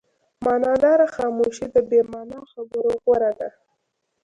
معناداره خاموشي د بې معنا خبرو غوره ده.